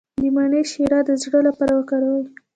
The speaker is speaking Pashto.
د مڼې شیره د زړه لپاره وکاروئ